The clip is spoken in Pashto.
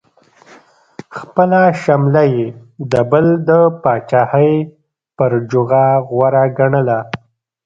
خپله شمله یې د بل د پاچاهۍ پر جوغه غوره ګڼله.